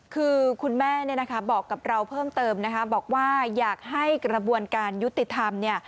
คือคุณแม่บอกกับเราเพิ่งเติมบอกว่าอยากให้กระบวนการยุติธรรม